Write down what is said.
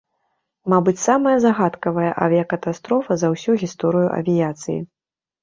Мабыць, самая загадкавая авіякатастрофа за ўсю гісторыю авіяцыі.